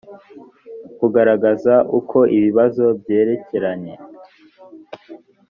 kugaragaza uko ibibazo byerekeranye